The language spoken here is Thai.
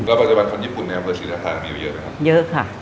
แล้วปัจจุบันคนญี่ปุ่นในเวอร์ศรีรชามีเยอะไหมครับ